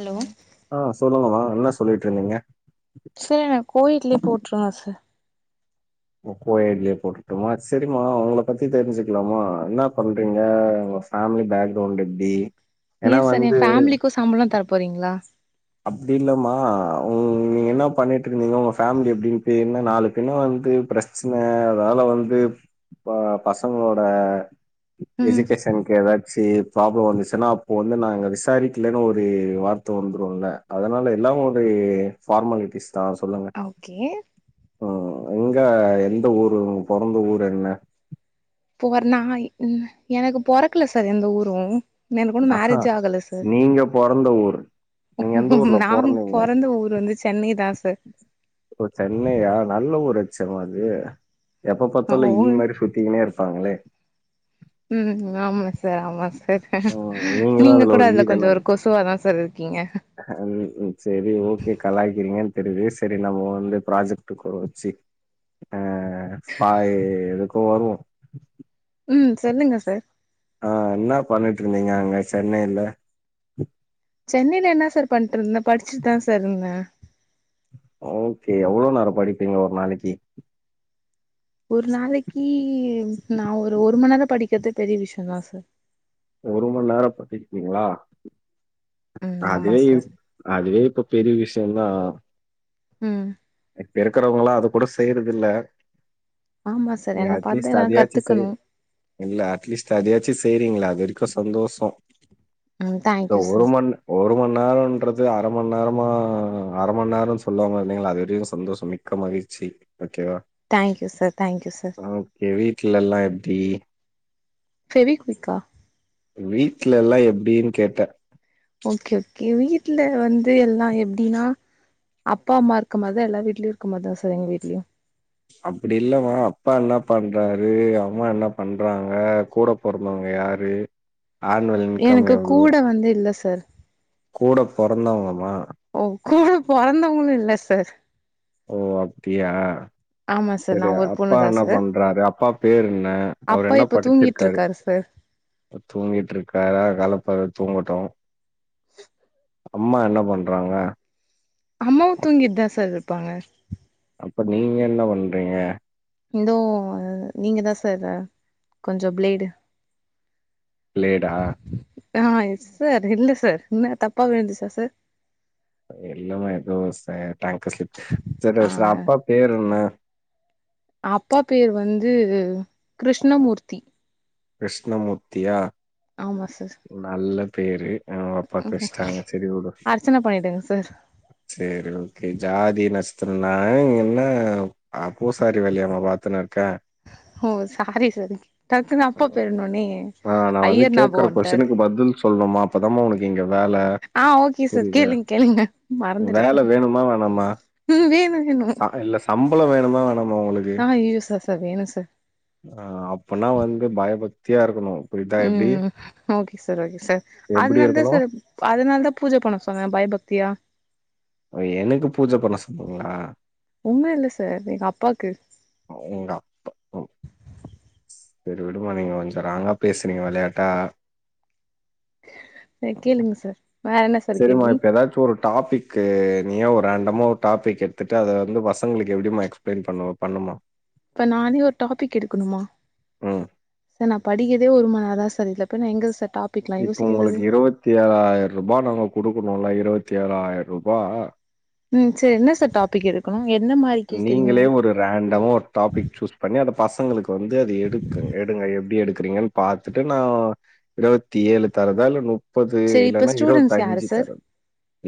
Hello ஆ சொல்லுங்க வா என்ன சொல்லிட்டு இருந்தீங்க சர் நா கோயேட்லயே போட்டுருவ சார் கோயேட்லயே போட்டுட்டுமா செரிமா உங்கள பத்தி தெரிஞ்சுக்கலாமா என்ன பண்றீங்க உங்க பேமிலி பேக்ரவுண்ட் எப்டி ஏன்னா எ சார் எ வந்து ஃபேமிலிக்கு சம்பளம் தரப் போறீங்களா அப்படி இல்லமா உ நீங்க என்ன பண்ணிட்டு இருந்தீங்க உங்க ஃபேமிலி எப்டின்ட்டு என்ன நாலு பிண்ண வந்து பிரச்சன அதால வந்து ப பசங்களோட ம் எஜுகேஷன்க்கு எதா செர் ப்ராப்ளம் வந்துச்சுன்னா அப்போ வந்து நாங்க விசாரிக்கலன்னு ஒரு வார்த்த வந்துரு ல்ல அதனால எல்லா ஒரு ஃபார்மாலிட்டிஸ் தா சொல்லுங்க ஓகே ம் எந்த ஊரு பிறந்த ஊர் என்ன போறனா எனக்கு பொறக்கல சார் எந்த ஊரும் எனக்கு ஒன்னும் ஆ மேரேஜ் ஆகல சார் நீங்க பிறந்த ஊர் நீங்க எந்த ஊர்ல நாங்க பிறந்தீங்க பொறந்த ஊர் வந்து சென்னை தான் சார் ஓ சென்னையா நல்ல ஊர் சோ அது எப்ப பத்த இல்ல இ உங் மாரி ஷூட்டிங்கினே இருக்கு பாங்களே உம் ஆமா சார் ஆமா சார் ம். நீங்களும் நீங்க கூட ஒரு ஈ அதுல தான? கொஞ்சம் ஒரு கொசுவாதா சார் இருக்கீங்க சரி ஓகே கலாயக்கிறீங்கன்னு தெரியுது சரி நம்ம வந்து ப்ராஜெக்டு கூட வச்சு அப எதுக்கும் வருவோம் உம் சொல்லுங்க சார் நீங்க அங்க சென்னனைில சென்னையில என்ன சார் பண்ருந்த படிச்சுட்டு தா சார் இருந்த ஓகே எ்வளோ நேரம் படிப்பீங்க ஒரு நாளைக்கு ஒரு நாளைக்கு நா ஒரு ஒரு மண நேரம் படிக்கறிறது பெரிய விஷயம் தான் சார் ஒரு ம நேரம் படிப்பீங்களா ம் ஆமா அதுவே சார் அதுவே இப்ப பெரிய விஷ டின்னா உம் இப்ப இருக்கறவங்களாம் அதது கூட செய்யறது இல்ல ஆமா சார் நீங்க என்ன பாத்து அட்லீஸ்ட் எல்லா அதையாச்சும் கத்துக்கணு செய்து அட்லீஸ்ட் அதைத்தான் ச்சு சரிங்களா அது வரைக்கும் சந்தோஷம் ம் இ தேங்க்யூ ஒரு சார் மண் ஒரு ம நேரம்ன்றது அர மணி நேரமா அர ம நேரம் சொல்லாம இருதேங்கள அது சந்தோஷம் மிக்க மகிழ்ச்சி ஓகேவா thank you sir thank you sir okay வீட்டுல எல்லாம் எப்படி பெவி குவிக்கா வீடலல்லாம் எப்ப்டனுகேட்டே ஓகே ஓகே வீட்டு்ல வந்து எல்லாம் எப்படின்னா அப்பா அம்மா இருக்க மாதிரிதா எல்லா வீட்லயும் இருக்க மாதிரிதா சார் எங்க வீட்லயும் அப்படி இல்லவா அப்பா என்ன பண்றாரு அம்மா என்ன பண்றாங்க கூட பொறந்தங்க யாரு ஆனுவல் இன்கம் எனக்கு எவ்ளோ? கூட வந்து இல்ல சார் கூட பிறந்தவங்கம்மா ஓ கூட பிறந்தவங்களும் இல்ல சார் ஓ அப்படியியா ஆமா சார் நா சரி ஒரு பொண்ணு அப்பா தா என்ன சார் பண்றாரு அப்பா பேரு என்ன அவர் அப்பா என்ன இப்ப தூங்கிட்டு படிச்சிருக்காரு இருக்காரு சார் தூங்கிட்டு இருக்கரு கல அ தூங்கட்டும் [inaudible] அம்மா என்ன பண்றாங்க அம்மாவு தூங்கிட்தா சர் இருப்பாங்க இப்ப நீங்க என்ன பண்றீங்க தோ நீங்க தா சர் கொஞ்சோ ப்ளேடு லேடா ஆ சர் இல்ல சர் என்ன தப்பா விழுந்துச்சா சார் இல்லமா எதோ ச டங் ஸ்லிப் சரி ஆ சார் அப்பா பேரு என்ன அப்பா பேர் வந்து கிருஷ்ணமூர்த்தி கிருஷ்ணமூர்த்தியா ஆமா சார் நல்ல பேரு ஆ அப்பா பேசிட்டாங்க சரி உடு அர்ச்சனா பண்ணிட்டேங்க சார் சேரி ஓகே ஜாதி நட்சத்திரோ நா என்ன ஆ பூசாரி வேலயாம்மா பாத்துன்னு இருக்க ஓ சாரி சார் டக்குன்னு அப்பா பேர் சொன்னோனே ஆ நா வந்து ஐயர் ஞாபகம் கேக்கற வன்ட்டாரு கொஸினுக்கு பதில் சொல்லனுமா அப்பதாமா உனக்கு இங்க வேல ஆ ஓகே சர் புரியுதா கேளுங்க கேளுங்க மறந்துட்ட வேல வேணுமா வேணாமா ம் வேணு வேணு ச இல்ல சம்பளம் வேணுமா வேணாமா உங்களுக்கு ஆ ஐயயோ சர் சர் வேணு சர் ஆ அப்பனா வந்து பயபக் தியா இருக்கனு புரிதா எப்டி சர் ஓகே சர் சர் எப்டி அதனால தா இருக்கணும்? சர் அதனால த‌பூஜ பண்ண சொன்ன பயபக் த்தியா ஓ எனக்கு பூஜ பண்ண சொன்னீங்களா உம்ம இல்ல சர் எங்க அப்பாக்கு உங்க அப்பா சரி விடுமா நீங்க கொஞ்சோ ராங்கா பேசுறீங்க வெளையாட்டா அ கேளுங்க சர் சரிமா இப்ப ஏதாச்சு ஒரு டாப்பிக் கு நீயா ஒரு ரண்டமா ஒரு டாப்பிக் எட்த்துட்டு அத வந்து பசங்களுக்கு எப்டிமா எக்ஸ்பிளேன் பண்ணுவ பண்ணு இப்ப நானே ஒரு டாப்பிக் எடுக்கணுமா ம். சனப் படிக்கதே ஒரு ம நேர தா சர் இல்ல போய் எங்க சர் இப்ப உங்களுக்கு இருவத்தி ஏழாயிரூபா நாங்க குடுக்கணுல்ல இருபத் தேழாயிரூபா ம் சரி என்ன சர் டாபிக் எடுக்கணு எந்த மாரி கேக்குறீங்க நீங்களே ஒரு ரண்டமா ஒரு டாப்பிக் சூஸ் பண்ணி அத பசங்களுக்கு வந்து அது எடுக்கு எடுங்க எப்படி எடுக்கறீங்கன் பாத்துட்டு நான இருபத்தி ஏழு தரதா இல்ல முப்பது சரி இப்ப இல்லனா ஸ்டூடெண்ட்ஸ் யாரு இருவத்தஞ்சு சார் தரது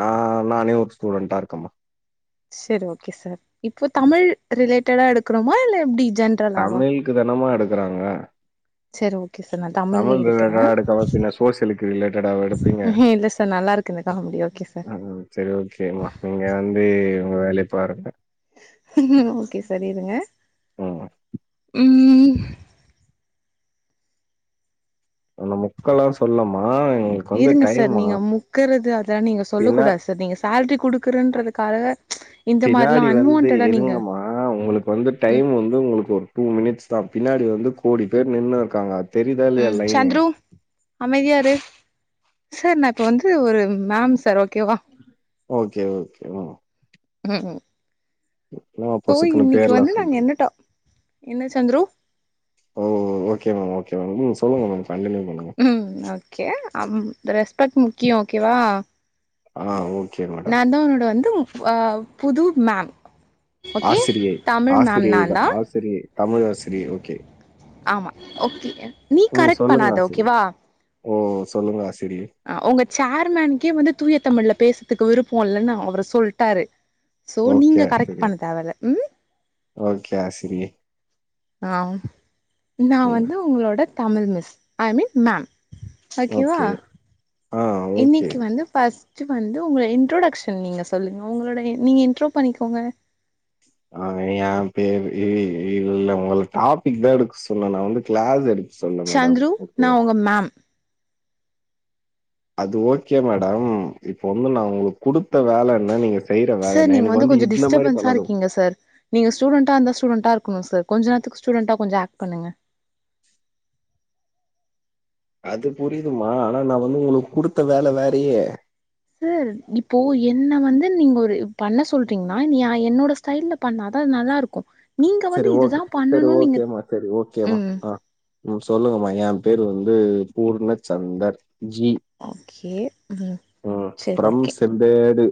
நா நானே ஒரு ஸ்டூடெண்ட்டா இருக்க‌ம்மா சரி ஓகே சார் இப்போ தமிழ் ரிலேட் டடா எடுக்கணுமா இல்ல எப்டி ஜென்ரலாவா தமிழுக்கு தெனமா எடுக்ககுறாங்க சரி ஓ தமிழ் ரிலேட்டடா எடுக்காம பின்ன சோசியலுக்கு ரிலேட்டடாவா எடுப்பீங்க இல்ல சார் நல்லா இருக்கு இந்த காமெடி ஓகே சார் ம் சரி ஓகேம்மா நீங்க வந்து உங்க வேலைய பாருங்க ம் ஓகே சார் இருங்க ம் ம் உன்ன முக்கெல்லா சொல்லம்மா எங்களுக்கு வந்து இருங்க சார் டைம்மா. நீங்க முக்கறது அதுலா நீங்க சொல்லக் பின்ன கூடாது சார் நீங்க சேல்ரி குடுக்குறன்றதுக்காக இந்த மாரிலா பின்னாடி வந்து அன்வான்டடா நீங்க இருங்கம்மா உங்களுக்கு வந்து ம் டைம் வந்து உங்களுக்கு ஒரு டூ மினிட்ஸ் தா பின்னாடி வந்து கோடி பேர் நின்னுருக்காங்க ம் சந்த்ரு அமைதியா இரு சார் நா இப்ப வந்து ஒரு மேம் சார் ஓ ஓகே ஓகே ம் ம்ம் என்னம்மா சோ பொசுக்குன்னு இன்னைக்கு வந்து பேர்லாம் நாங்க சொல்றீங்க? என்னட் டா என்ன சந்துரு ஓ! Okay ma'am, okay ma'am. ம். சொல்லுங்க மேம். கன்டின்யூ பண்ணுங்க. ம் ஓகே [unintelligible] ப்பட் முக்கியோ ஓகேவா ஆ ஓ நா தா உன்னோட வந்து ஆ புது மேம் ஓகே ஆசிரியை. தமிழ் மேம் ஆசிரியை நா தா தான். ஆசிரியை. தமிழ் ஆசிரியை. ஓகே. ஆமா ஓகே நீ ம். கரெக்ட் சொல்லுங்க பண்ணாத ஆசிரியை. ஓகேவா ஓ சொல்லுங்க ஆசிரியை. ஆ உங்க சேர்மேன்க்கே வந்து தூய தமிழ்ல பேசதுக்கு விருப்போம் இல்லன்னு அவரு சொல்ட்டாரு சோ ஓகே நீங்க கரெக்ட் பண்ண தேவயில்ல ம் கே ஆசிரியை ஆ நா ம். வந்து உங்களோட Tamil miss I mean ma'am ஓகேவா ஓகே. ஆ ஓகே. இன்னைக்கு வந்து பஸ் வந்து உங்க இன்ட்ரொடக்ஷன் நீங்க சொல்லுங்க உங்களோட நீங்க இன்ட்ரோ பண்ணிக்கோங்க அ ஏன் பேரு இ இல்ல உங்கள டாபிக் தா எடுக்க சொன்ன நா வந்து கிளாஸ் எடுக் சந்தரு நான் உங்க மேம் அது ஓகே மேடம் இப்ப வந்து நா உங்களுக்கு குடுத்த வேல என்ன நீங்க செ சேர் நீங்க வந்து கொஞ்சோ டிஸ்டர்பன்ஸா இருக்கீங்க சர் நீங்க ஸ்டூடண்டா அந்த ஸ்டூடண்டா இரு க்குணு சர் கொஞ்சோ நேரத்துக்கு ஸ்டூடண்டா கொஞ்சொ ஆக்ட் பண்ணுங்க அது புரிதுமா ஆனா நா வந்து உனக்கு குடுத்த வேல வேறயே சேர் இப்போ என்ன வந்து நீங்க ஒரு பண்ண சொல்றீங்ன்னா நீ அ என்னோட ஸ்டைல்ல பண்ணாதா அது நல்லாருக்கு செரி ஓகே செரி ஓகேமா செரி ஓகேம்மா ம் ஆ ம் சொல்லுங்கமா ஏம் பேரு வந்து பூர்ண சந்தர் ஓகே ம் ம். Sir from okay Sembedu.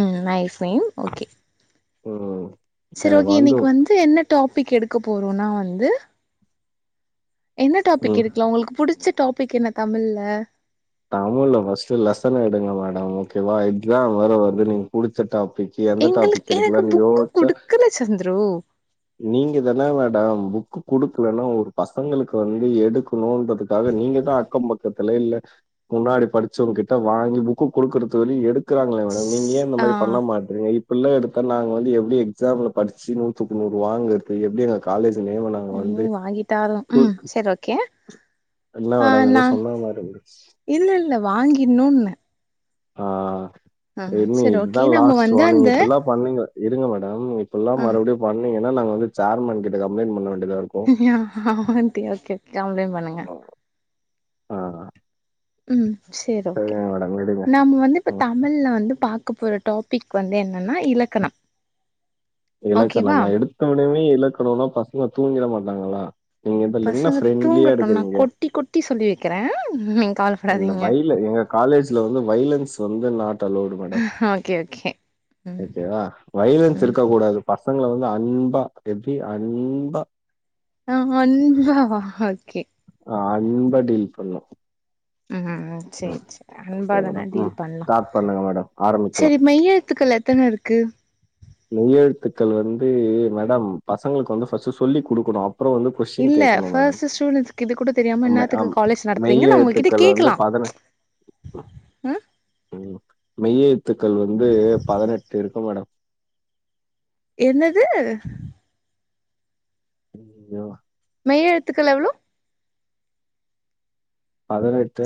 ம் நைஸ் நைஸ் ஓகே ம் செரி ஓகே இன்னைக்கு வந்து என்ன டோப் பிக் எடுக்க போறோனா வந்து என்ன ம். டாபிக் எடூக்லா உங்களுக்கு புடிச்ச டோபிக் என்ன தமிழ்ல தமிழ்ல ஃபஸ்ட்டு லெசன் எடுங்க மேடம் ஓகேவா எக்ஸாம் வேர வருது நீங்க குடுத்துட்டா டிக்கி எந்த டாபிக் எங்களுக்கு எனக்கு எடுக்கனுன்னு புக்கு யோச்சு குடுக்கல சந்துரு நீங்க தான மேடம் புக் கு குடுக்கலன்னா ஒரு பசங்களுக்கு வந்து எடுக்கணுன்றதுக்காக நீங்கதா அக்கம் பக்கத்துல இல்ல முன்னாடி படிச்சவங் கிட்ட வாங்கி புக்கு குடுக்கறது வறையு எடு க்குறாங்ளே மேடம் நீங்க ஏன் இந்த ஆ மாரி பண்ண மாட்றீங்க இ புல்லா எடுத்தா நாங்க வந்து எப்டி எக்ஸாம்ல படிச்சு நூத்துக்கு நூறு வாங்கற்து எப்டி எங்க காலேஜ் [unintelligible] நாங்க வந்து ம் வாங்கிட்டாரு ம் தொக் சரி ஓகே என்ன ஆ மேடம் எது நா சொல்ல மாரிச்சு இல்ல இல்ல வாங்கிட்னுன்ன ஆ என்ன சரி இத்தா ஓகே நம்ம லாஸ்ட்டு வந்து வார்னிங் அந்த இப்புல்லா பண்ணீங்க இருங்க மேட் டம் இப்புல்லா ஆ மருவடியு பண் ணீங்கனா நாங்க வந்து சேர்மன் கிட்ட கம்ப்ளைன் பண்ண வேண் ஓகே ஓகே கம்ப்ளைன் பண்ணுங்க ஆ ம் சேர் ஓகே ஏங்க மேடம் விடுங்க நம்ம வந்து இப்ப ம். தமிழ்ல வந்து பா க்க போற டோபிக் வந்து என்னன்னா இலக்கணம் ஓகேவா இலக்கணமா எடுத்த ஒனயுமே இலக்கணோனா பசங்க தூங்கிட மாட் னாங்களா பசங்க தூங்கட்டு நா கொட்டி கொட்டி சொல்லி வெக்குறே நீங் என்ன வைல எங்க காலேஜ்ல வந்து வைலன்ஸ் வந்து not allowed madam okay okay ம் ஓகே வா வைலன்ஸ் ம் இருக்க கூடாது பசங்கள வந்து அன்பா எப்டி அன்பா ஆஹ் அன்பாவா ஓகே அன்பா டீல் பண்ணு உம்ம சேரி சேர் அன்பாதான மேடம் ம் டீல் பண்லா ஸ்டார்ட் பண்ணுங்க மேடம் ஆரம்பிக்கலாம் செரி மெய் எழுத்துக்கள் எத்தனருக்கு மெய்யெழுத்துக்கள் வந்து மேடம் பசங்களுக்கு வந்து ஃபஸ்ட் சொல்லி குடுக்கனு இல்ல ஃபஸ்ட் ஸ்டூடன்ட்ஸ்க்கிது கூட தெரியாம மெ என்னாத்துக்கு ஆம் காலேஜ் நடத்துறீங்கன்ன உங்கள்கிட்ட மெய்யெழுத்துக்கள் வந்து கேக்கலா பதின ச் ம் ம். மெய்யெழுத்துக்கள் வந்து பதனெட்டிருக்கு மேடம் என்னது [unintelligible] மெய்யெழுத்துக்கள் எவ்ளோ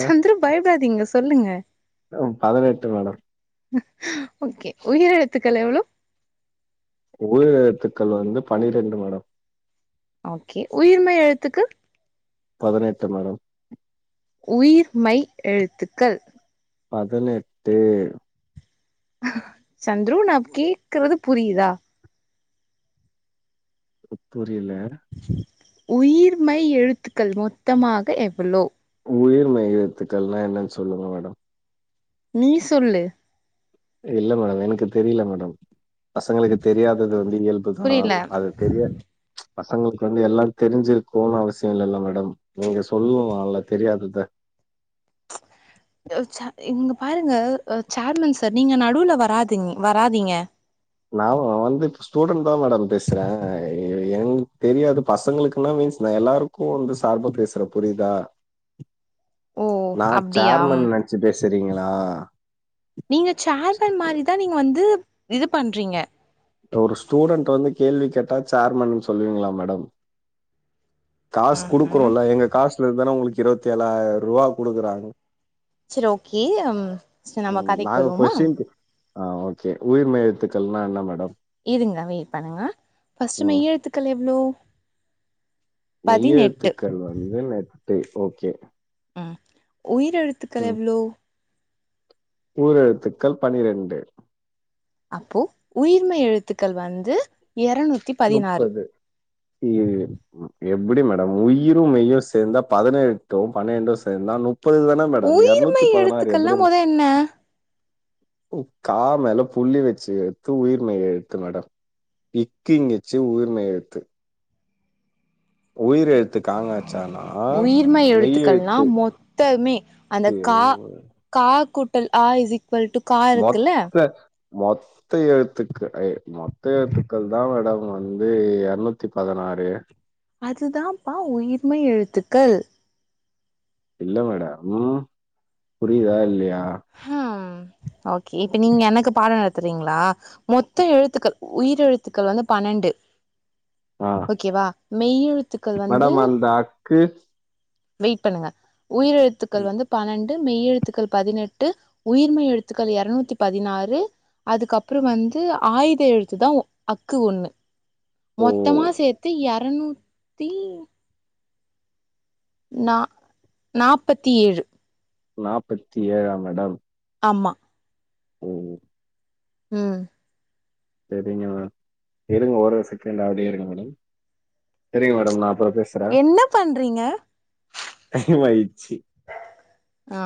சந்திரூ பயபடாதிங்க சொல்லுங்க ம் பதினெட்டு மேடம் ஓகே உயிரெழுத்துக்கள் எவ்ளோ உயிரெழுத்துக்கள் வந்து பனிரெண்டு மேடம் ஓகே உயிர்மெய் எழுத்துக்கு பதினெட்டு மேடம் உயிர் மெய் எழுத்துக்கள் பதினெட்டு சந்ரு நா கேக்கறது புரியுதா புரி புரியல உயிர்மெய் எழுத்துக்கள் மொத்தமாக எவ்வளோ உயிர் மெய் எழுத்துக்கள்னா என்னன் சொல்லுங்க மேடம் நீ சொல்லு இல்ல மேடம் எனக்கு தெரியல மேடம் பசங்களுக்கு தெரியாதது வந்து இயல்புதா புரில அது தெரிய ச் பசங்களுக்கு வந்து எல்லாம் தெரிஞ்சிருக்குன் அவசிய இல்லல்ல மேடம் நீங்க சொல்லலால தெரியாதத சா இங்க பாருங்க சேர்மன் சார் நீங்க நடுவுல வராதிங்க வராதீங்க நா வந்து இப்ப ஸ்டூடண்ட் தா மேடம் பேசுற என தெரியாது பசங்களுக்குன்னா மீன்ஸ் நா எல்லாருக்கு வந்து சார்பா பேசுற புரியுதா ஓ நா அப்டியா சேர்மன் நெனச்சு பேசு சரிங்களா நீங்க சேர்மன் மாரிதா நீங்க வந்து இது பண்றீங்க ஒரு ஸ்டூடெண்ட் வந்து கேள்வி கேட்டா சேர்மன் சொல்லுவீங்களா மேடம் காசு ம்ஹும் குடுக்குறோல எங்க காசுலந்துதான உங்களுக் இருபத்தேழாயிர ரூபா குடுக்குறாங் சரி ஓகே அம் ச நம்ம கதைக்கு வருவோமா ஆஹ் ஓகே உயிர் மெய் எழுத்துக்கள்னா என்னா மேடம் இருங்க வெய்ட் பண்ணுங்க ஃபர்ஸ்ட் ம் மெய் எழுத்துக்கள் எவ்ளோ மெய் பதினெட்டு எழுத்துக்கள் வந்து [unintelligible] னெட்டு ஓகே ஆஹ் உயிர் எழுத்துக்கள் எவ்ளோ உயிர் எழுத்துக்கள் பனிரெண்டு அப்போ உயிர்மெய் எழுத்துக்கள் வந்து எரநூத்தி பதினாறு முப்பது [unintelligible] எப்புடி மேடம் உயிரும் மெய்யும் சேந்தா பதினெட்டோ பனிரெண்டு சேந்தா முப் உயிர்மெய் எழுத்துக்கள்னா மொத என்ன ஓ கா மேல புள்ளி வச்சு எத்து உயிர்மய் எழுத்து மேடம் டி க் ங் ச்சு உயிர்மெய் எழுத்து உயிர் எ உயிர்மெய் மெய் எழுத்துக்கள்னா எழுத்து மொத்தமே அந்த ஐயோ கா கா கு கூட்டல் அ ஸ்சி சீக்கல்டு க இருக்குல்ல மொத்த மொத்த எழுத்துக்கள் ஏ மொத்த எழுத்துக்கள் தான் மேடம் வந்து இரநூத்தி பதினாறு அதுதான்ப்பா உயிர்மெய் எழுத்துக்கள் இல்ல மேடம் புரிதா இல்லயா ஹம் ஓ கே இப்ப நீங்க எனக்கு பாடம் நடத் தறீங்ளா மொத்தம் எழுத்துக்கள் உயிர் எ த்துக்கள் வந்து பன்னண்டு ஆ ஓகேவா மெய்யெழுத்துக்கள் வந்து மேடம் அந்த அக்கு வெயிட் பண்ணுங்க உயிரெழுத்துக்கள் ம் வந்து பன்னண் டு மெய் எழுத்துக்கள் பதினெட்டு உயிர்மெய் எழுத்துக்கள் இரநூத்தி பதினாறு அதுக்கப்புறம் வந்து ஆயுத எழுத்துதான் அக்கு ஒண்ணு ஓ மொத்தமா சேத்து இர ரநூத்தி நா நாப்பத்தி ஏழு நாப்பத்தி ஏழா மேடம் ஆமா உம் உம் சரிங்க இருங்க ஒரே ஒரு செகண்ட் அப்டியே இருங்க மேடம் சரிங்க மேடம் நா ப்ரொபசரா என்ன பண்றீங்க டைம் ஆய்டுச்சு ஆ